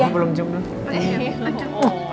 aku belum jumlah